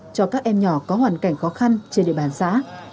cho các em nhỏ có hoàn cảnh khó khăn trên địa bàn xã